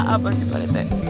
apa sih pak rete